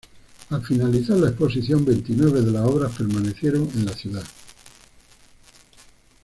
Al finalizar la Exposición, veintinueve de las obras permanecieron en la ciudad.